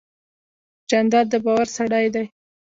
جانداد د باور وړ سړی دی.